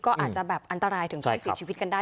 ก็อาจจะแบบอันตรายถึงขั้นเสียชีวิตกันได้